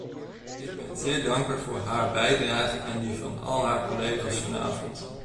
Ik ben zeer dankbaar voor haar bijdrage en die van al haar collega's vanavond.